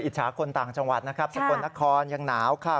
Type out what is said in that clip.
จฉาคนต่างจังหวัดนะครับสกลนครยังหนาวค่ะ